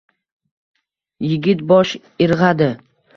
Yigit bosh irgʼadi.